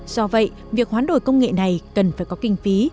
do vậy việc hoán đổi công nghệ này cần phải có kinh phí